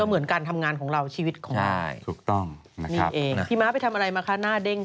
ก็เหมือนการทำงานครับชีวิตของเราก็เหมือนการทำงานของเรา